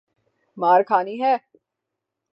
مار کھانی ہے؟